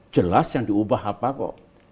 jelas yang diubah apa kok